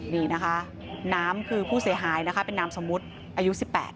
นี่นะคะน้ำคือผู้เสียหายนะคะเป็นนามสมมุติอายุ๑๘